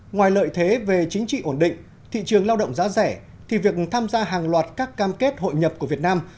ngoài lợi thế về chính trị ổn định thị trường lao động giá rẻ thì việc tham gia hàng loạt các cam kết hội nhập của việt nam